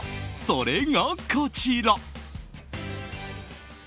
それが、こちら。